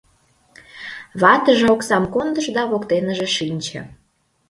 Ватыже оксам кондыш да воктеныже шинче.